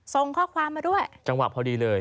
ส่งข้อความมาด้วยจังหวะพอดีเลย